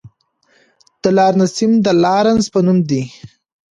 د لارنسیم د لارنس په نوم دی.